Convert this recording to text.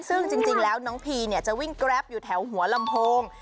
ซึ่งจริงแล้วน้องพีเนี่ยจะวิ่งแกรปอยู่แถวหัวลำโพง